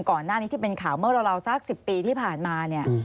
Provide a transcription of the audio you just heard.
ก่อนหน้านี้ที่เป็นข่าวเมื่อราวสัก๑๐ปีที่ผ่านมาเนี่ย